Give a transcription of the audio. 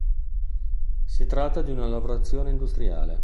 Si tratta di una lavorazione industriale.